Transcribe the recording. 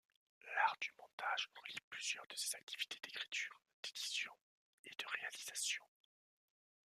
L’art du montage relie plusieurs de ces activités d’écriture, d’édition et de réalisation.